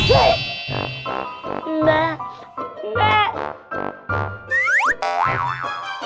enggak enggak enggak